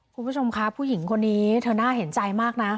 คุณผู้ชมคะผู้หญิงคนนี้เธอน่าเห็นใจมากนะ